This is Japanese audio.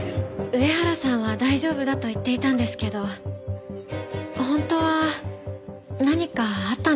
上原さんは大丈夫だと言っていたんですけど本当は何かあったんじゃないかと思って。